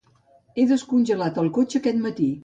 He descongelat el cotxe aquest matí.